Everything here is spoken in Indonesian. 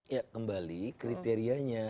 ya kembali kriterianya